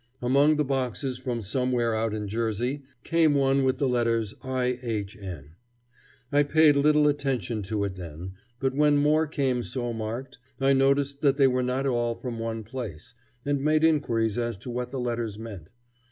Among the boxes from somewhere out in Jersey came one with the letters I. H. N. on. I paid little attention to it then, but when more came so marked, I noticed that they were not all from one place, and made inquiries as to what the letters meant.